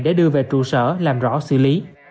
để đưa về trụ sở làm rõ xử lý